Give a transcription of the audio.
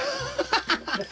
ハハハハ！